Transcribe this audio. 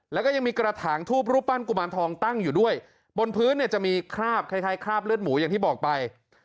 แล้วก็ยังมีกระถางทูบรูปปั้นกุมารทองตั้งอยู่ด้วยบนพื้นเนี่ยจะมีคราบคล้ายคราบเลือดหมูอย่างที่บอกไป